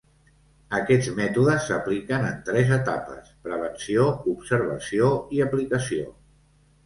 Aquests mètodes s'apliquen en tres etapes: prevenció, observació i aplicació.